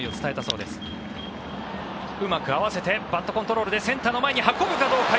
うまく合わせてバットコントロールでセンターの前に運ぶかどうか。